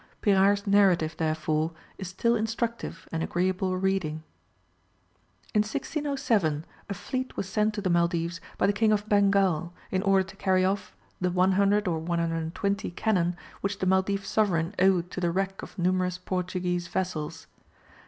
Pyrard's narrative therefore, is still instructive and agreeable reading. In 1607, a fleet was sent to the Maldives by the King of Bengal, in order to carry off the 100 or 120 cannon which the Maldive sovereign owed to the wreck of numerous Portuguese vessels.